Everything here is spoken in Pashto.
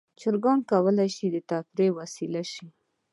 چرګان کولی شي د تفریح وسیله شي.